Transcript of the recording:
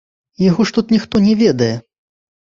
Яго ж тут ніхто не ведае!